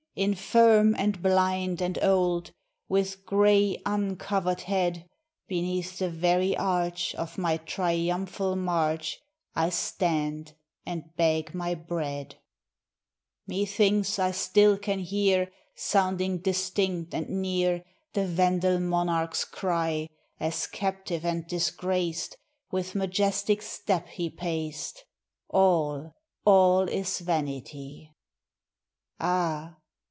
Infirm and blind and old. With gray, uncovered head, Beneath the very arch Of my triumphal march, I stand and beg my bread ! Methinks I still can hear, Sounding distinct and near. The Vandal monarch's cry, 565 ROME As, captive and disgraced, With majestic step he paced, — "All, all is vanity!" Ah